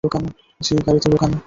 জি, গাড়িতে লুকানো।